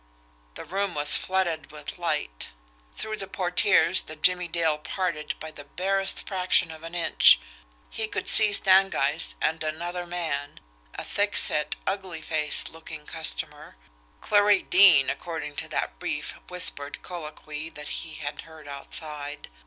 The room was flooded with light. Through the portieres, that Jimmie Dale parted by the barest fraction of an inch, he could see Stangeist and another man, a thick set, ugly faced looking customer Clarie Deane, according to that brief, whispered colloquy that he had heard outside.